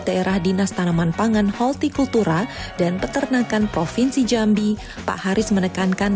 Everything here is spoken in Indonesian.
daerah dinas tanaman pangan holti kultura dan peternakan provinsi jambi pak haris menekankan